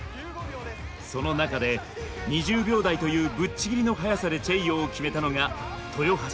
その中で２０秒台というぶっちぎりのはやさでチェイヨーを決めたのが豊橋だ。